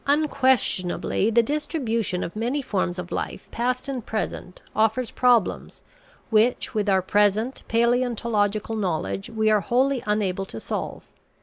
Unquestionably, the distribution of many forms of life, past and present, offers problems which with our present paleontological knowledge we are wholly unable to solve.